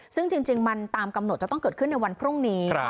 ซึ่งจริงมันตามกำหนดจะต้องเกิดขึ้นในวันพรุ่งนี้